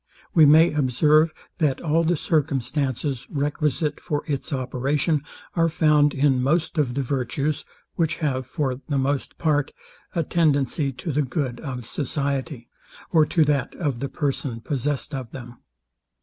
We may observe, that all the circumstances requisite for its operation are found in most of the virtues; which have, for the most part, a tendency to the good of society, or to that of the person possessed of them.